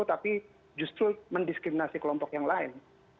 tapi justru mendiskriminasi kelompok yang lain